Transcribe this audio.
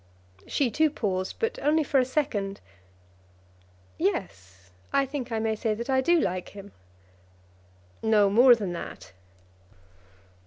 She too paused, but only for a second. "Yes, I think I may say that I do like him." "No more than that?"